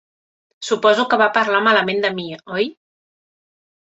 Suposo que va parlar malament de mi, oi?